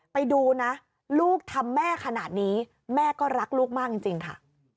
ไปดูนะลูกทำแม่ขนาดนี้แม่ก็รักลูกมากจริงค่ะ